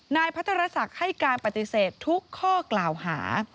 นายพัทรศักดิ์ให้การปฏิเสธทุกข้อกล่าวหา